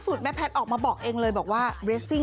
คิดว่ามีเรื่องราวอะไรบ้าง